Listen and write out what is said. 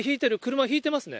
車、引いてますね。